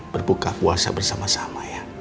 berbuka puasa bersama sama ya